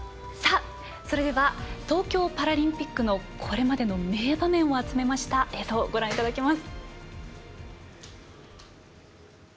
東京パラリンピックのこれまでの名場面を集めました映像をご覧いただきます。